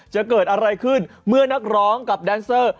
จะเกิดอะไรขึ้นเมื่อนักร้องกับแดนเซอร์